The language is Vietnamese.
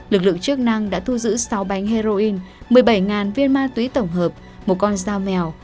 lực lượng chức năng đã thu giữ sáu bánh heroin một mươi bảy viên ma túy tổng hợp một con dao mèo